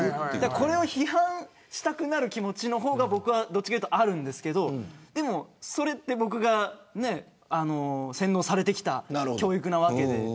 これを批判したくなる気持ちの方が僕は、どちらかというとあるんですけどそれって僕が洗脳されてきた教育なわけで。